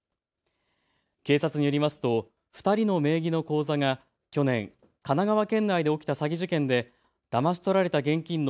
警察によりますと２人の名義の口座が去年、神奈川県内で起きた詐欺事件でだまし取られた現金の